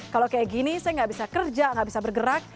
kalau kayak gini saya nggak bisa kerja nggak bisa bergerak